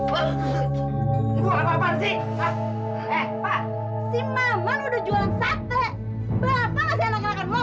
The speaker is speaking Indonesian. bu apa apaan sih